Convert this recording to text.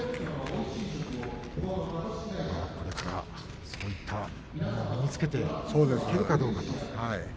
これからそういったものを身につけていけるかどうか。